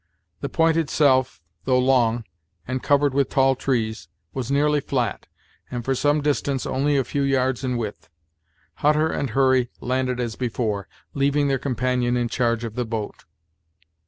The point itself, though long, and covered with tall trees, was nearly flat, and for some distance only a few yards in width. Hutter and Hurry landed as before, leaving their companion in charge of the boat.